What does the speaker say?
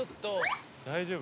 大丈夫？